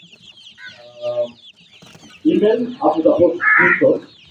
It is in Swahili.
Kagame Monusco wanajua kuhusu waasi wa kuwa ndani ya jeshi la jamhuri ya kidemokrasia ya Kongo